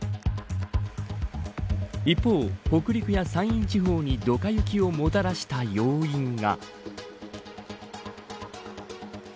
一方、北陸や山陰地方にドカ雪をもたらした要因が。